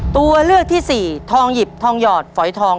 ตัวเลือกที่สี่ทองหยิบทองหยอดฝอยทอง